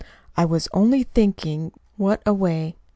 "I was only thinking what a way.